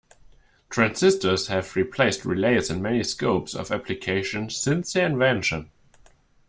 Transistors have replaced relays in many scopes of application since their invention.